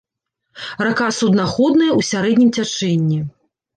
Рака суднаходная ў сярэднім цячэнні.